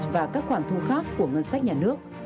và các khoản thu khác của ngân sách nhà nước